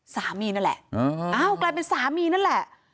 สามีนั่นแหละอ้าวกลายเป็นสามีนั่นแหละ